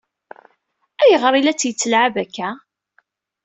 Ayɣer i la tt-yettlɛab akka?